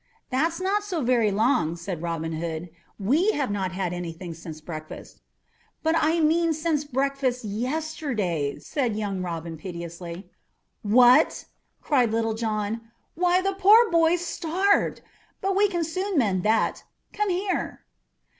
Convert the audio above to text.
"That's not so very long," said Robin Hood. "We have not had anything since breakfast." "But I mean since breakfast yesterday," said young Robin piteously. "What!" cried Little John. "Why, the poor boy's starved. But we can soon mend that. Come here!"